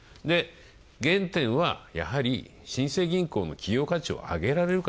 原点は、やはり新生銀行の企業価値をあげられるか。